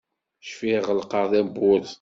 Cfiɣ ɣelqeɣ tawwurt.